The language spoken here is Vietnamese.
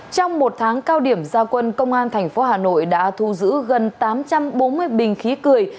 trong một tháng cao điểm gia quân công an tp hà nội đã thu giữ gần tám trăm bốn mươi bình khí cười